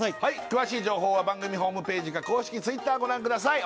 詳しい情報は番組ホームページか公式Ｔｗｉｔｔｅｒご覧ください